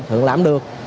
thượng lãm được